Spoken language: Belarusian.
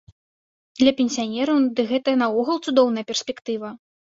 Для пенсіянераў, дык гэта нагул цудоўная перспектыва.